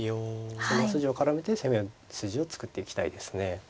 その筋を絡めて攻め筋を作っていきたいですね。